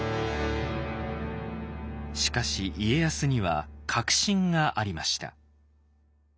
しかし家康には確信がありました。